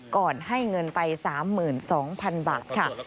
ก่อนให้เงินไป๓๒๐๐๐บาทค่ะ